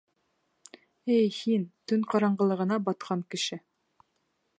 Эй, һин, төн ҡараңғылығына батҡан кеше